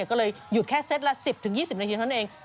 ก็เลยหยุดแค่เซตละ๑๐๒๐นาทีเท่านั้นเอง